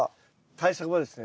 対策はですね